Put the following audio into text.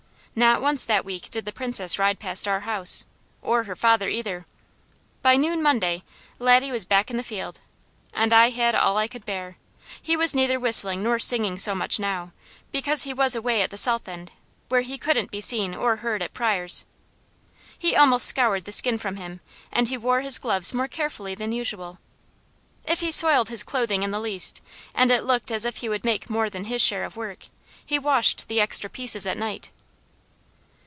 Not once that week did the Princess ride past our house, or her father either. By noon Monday Laddie was back in the field, and I had all I could bear. He was neither whistling nor singing so much now, because he was away at the south end, where he couldn't be seen or heard at Pryors'. He almost scoured the skin from him, and he wore his gloves more carefully than usual. If he soiled his clothing in the least, and it looked as if he would make more than his share of work, he washed the extra pieces at night.